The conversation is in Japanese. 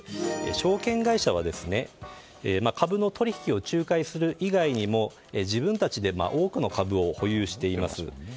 証券会社は株の取引を仲介する以外にも自分たちで多くの株を保有しています。